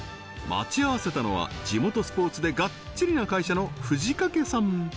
待ち合わせたのは地元スポーツでがっちりな会社の藤掛さん